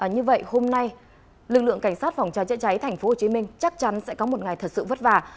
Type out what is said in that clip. như vậy hôm nay lực lượng cảnh sát phòng cháy chữa cháy tp hcm chắc chắn sẽ có một ngày thật sự vất vả